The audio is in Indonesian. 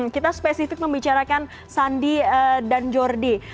kita spesifik membicarakan sandi dan jordi